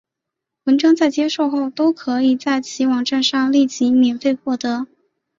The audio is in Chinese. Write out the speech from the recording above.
文章在接受后都可以在其网站上立即免费获得。